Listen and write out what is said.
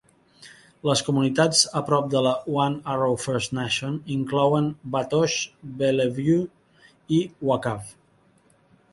Les comunitats a prop de la One Arrow First Nation inclouen Batoche, Bellevue i Wakaw.